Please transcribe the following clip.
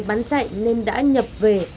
bán chạy nên đã nhập về